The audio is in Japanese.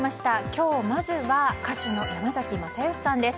今日まずは歌手の山崎まさよしさんです。